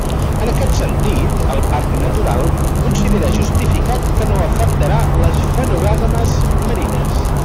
En aquest sentit, el Parc Natural considera justificat que no afectarà les fanerògames marines.